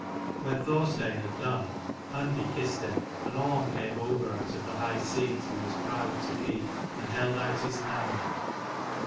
When Thorstein had done, Hundi kissed him, and Orm came over out of the high seat he was proud to keep, and held out his hand.